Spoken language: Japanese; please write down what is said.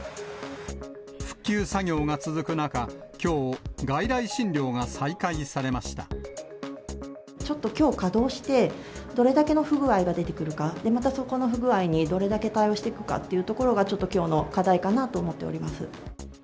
復旧作業が続く中、きょう、ちょっときょう稼働して、どれだけの不具合が出てくるか、またそこの不具合にどれだけ対応していくかっていうところが、ちょっときょうの課題かなと思っております。